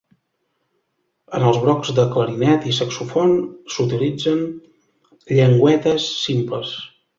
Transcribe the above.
En els brocs de clarinet i saxòfon s'utilitzen llengüetes simples.